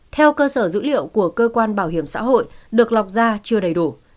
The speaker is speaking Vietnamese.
theo cơ sở dữ liệu của cơ quan bảo hiểm xã hội được lọc ra chưa đầy đủ